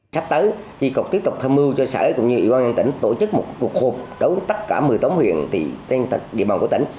sắp tới chỉ cục tiếp tục thâm mưu cho xã cũng như ủy ban nhân tỉnh tổ chức một cuộc hộp đấu tất cả một mươi tổng huyện trên địa bàn của tỉnh